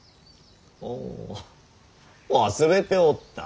ああ忘れておった。